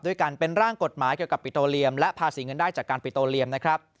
กันเป็นร่างกฎหมายเกี่ยวกับปิโตเรียมและภาษีเงินได้จากการปิโตเรียมนะครับ